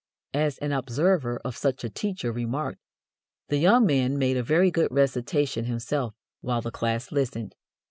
As an observer of such a teacher remarked, "The young man made a very good recitation himself, while the class listened."